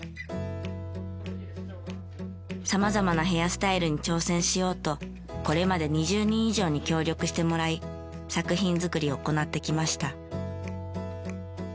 様々なヘアスタイルに挑戦しようとこれまで２０人以上に協力してもらい作品作りを行ってきました。